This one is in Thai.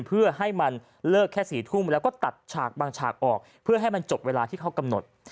เพื่อให้มันเลิกแค่๔ทุ่มแล้วก็ตัดฉากบางฉากออกเพื่อให้มันจบเวลาที่เขากำหนด